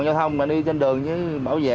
giao thông mà đi trên đường với bảo vệ